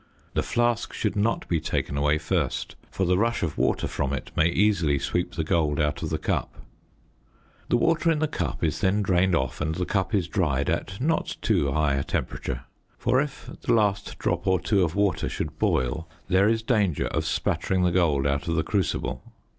The flask should not be taken away first, for the rush of water from it may easily sweep the gold out of the cup. The water in the cup is then drained off and the cup is dried at not too high a temperature; for if the last drop or two of water should boil there is danger of spattering the gold out of the crucible.